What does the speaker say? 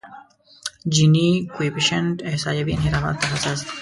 جیني کویفشینټ احصایوي انحرافاتو ته حساس دی.